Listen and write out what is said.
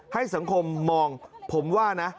ให้สังคมมองผมว่านะ